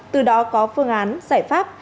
từ đó có phương án giải pháp